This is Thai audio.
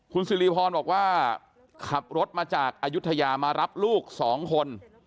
คุณสิริพรบอกว่าขับรถมาจากอายุทยามารับลูก๒คน